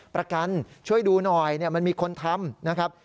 ประกันช่วยดูหน่อยมันมีคนทำนะครับ